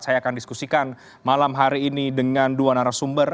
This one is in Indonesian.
saya akan diskusikan malam hari ini dengan dua narasumber